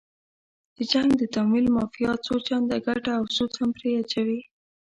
د جنګ د تمویل مافیا څو چنده ګټه او سود هم پرې اچوي.